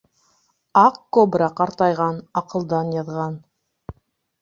Аҡ кобра ҡартайған, аҡылдан яҙған...